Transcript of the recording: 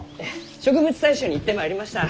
植物採集に行ってまいりました。